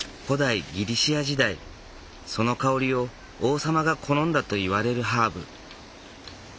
古代ギリシャ時代その香りを王様が好んだといわれるハーブ。